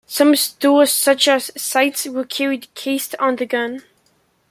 Some stores, such as sights, were carried cased on the gun.